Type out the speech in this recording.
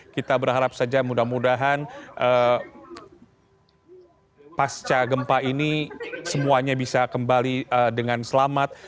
kita berharap saja mudah mudahan pasca gempa ini semuanya bisa kembali dengan selamat